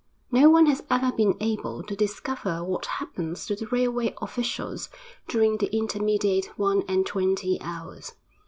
No one has ever been able to discover what happens to the railway officials during the intermediate one and twenty hours.